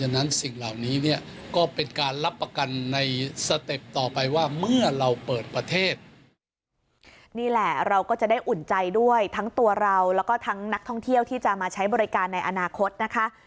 นี่แหละเราก็จะได้อุ่นใจด้วยทั้งตัวเราแล้วก็ทั้งนักท่องเที่ยวที่จะมาใช้บริการในอนาคตนะคะ